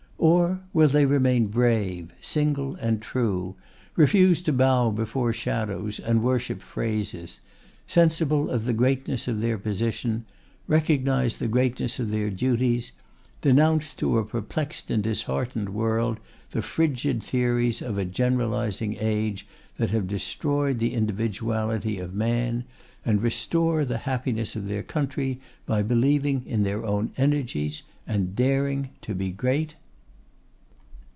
Or will they remain brave, single, and true; refuse to bow before shadows and worship phrases; sensible of the greatness of their position, recognise the greatness of their duties; denounce to a perplexed and disheartened world the frigid theories of a generalising age that have destroyed the individuality of man, and restore the happiness of their country by believing in their own energies, and daring to be great?